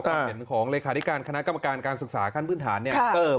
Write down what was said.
เห็นของเลขาธิการคณะกรรมการการศึกษาขั้นพื้นฐานเนี่ย